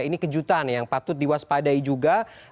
ini kejutan yang patut diwaspadai juga